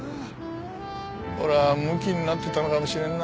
俺はムキになってたのかもしれんなあ。